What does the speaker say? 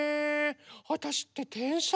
あたしっててんさい。